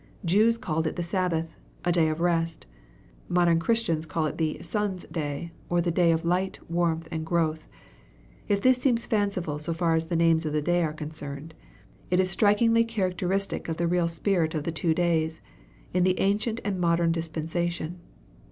"The Jews called it the Sabbath a day of rest. Modern Christians call it the Sun's day, or the day of light, warmth, and growth. If this seems fanciful so far as the names of the day are concerned, it is strikingly characteristic of the real spirit of the two days, in the ancient and modern dispensation.